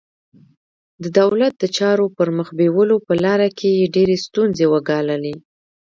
د دولت د چارو پر مخ بیولو په لاره کې یې ډېرې ستونزې وګاللې.